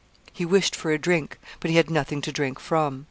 He wished for a drink, but he had nothing to drink from.